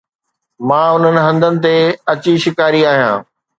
مان انهن هنڌن تي اچي شڪاري آهيان